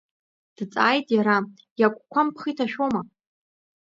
Дҵааит иара, иакәқәам бхы иҭашәома?